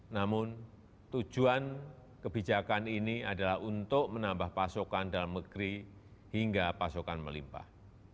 namun tujuan kebijakan ini adalah untuk menambah pasokan dalam negeri hingga pasokan melimpah